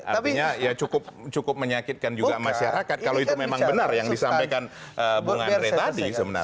artinya ya cukup menyakitkan juga masyarakat kalau itu memang benar yang disampaikan bung andre tadi sebenarnya